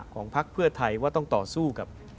ของภักดิ์เพื่อไทยว่าต้องต่อสู้กับ